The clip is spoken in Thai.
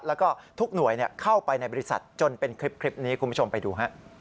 แล้วก็ทุกหน่วยเข้าไปในบริษัทจนเป็นคลิปนี้คุณผู้ชมไปดู